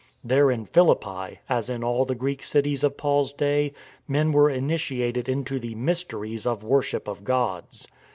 There in Philippi, as in all the Greek cities in Paul's day, men were initiated into the " mysteries " of wor ship of gods.